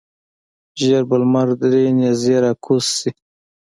ژر به لمر درې نیزې راکوز شي.